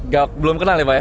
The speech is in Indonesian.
gak belum kenal ya pak ya